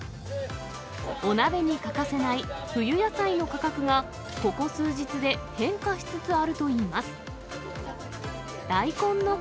お鍋に欠かせない冬野菜の価格が、ここ数日で変化しつつあるといいます。